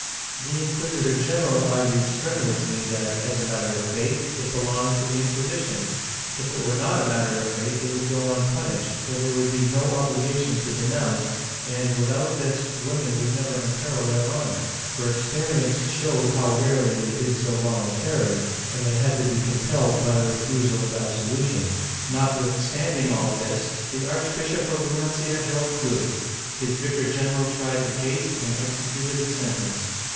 The inquisitor general argued strenuously that, as a matter of faith, it belonged to the Inquisition; if it were not a matter of faith it would go unpunished, for there would be no obligation to denounce, and without this women would never imperil their honor, for experience showed how rarely they did so voluntarily, and they had to be compelled by the refusal of absolution. Notwithstanding all this the archbishop of Valen cia held good; his vicar general tried the case and executed the sentence.